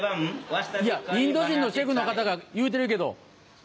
いやインド人のシェフの方が言うてるけど。